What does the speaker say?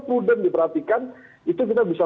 prudent diperhatikan itu kita bisa